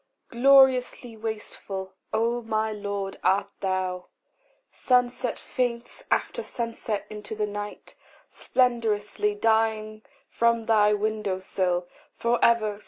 Gloriously wasteful, O my Lord, art thou! Sunset faints after sunset into the night, Splendorously dying from thy window sill For ever.